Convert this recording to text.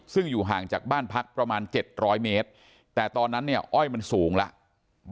ซึ่งอยู่ห่างจากบ้านพักประมาณ๗๐๐เมตรแต่ตอนนั้นเนี่ยอ้อยมันสูงแล้ว